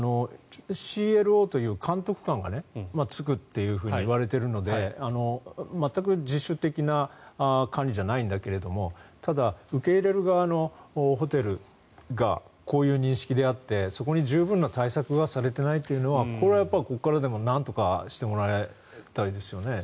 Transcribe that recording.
監督官がつくといわれているので全く自主的な管理じゃないんだけれどもただ、受け入れる側のホテルがこういう認識であってそこに十分な対策がされてないというのはこれはここからでもなんとかしてもらいたいですね。